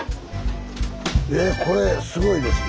えこれすごいですね。